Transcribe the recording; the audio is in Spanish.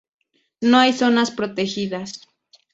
No hay zonas protegidas.